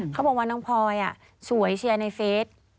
เขาบอกว่าน้องพลอยสวยเชียร์ในเฟส